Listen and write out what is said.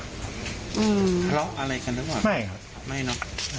อืมแล้วอะไรกันด้วยหรือครับไม่ครับไม่เนอะ